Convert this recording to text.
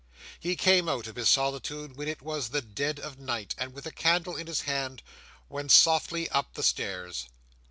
He came out of his solitude when it was the dead of night, and with a candle in his hand went softly up the stairs.